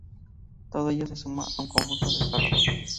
Todo ello se suma a un conjunto desgarrador.